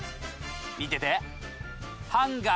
見てて！